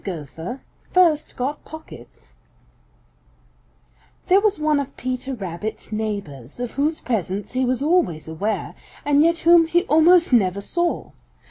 GOPHER FIRST GOT POCKETS |THERE was one of Peter Rabbit's neighbors of whose presence he was always aware, and yet whom he almost never saw.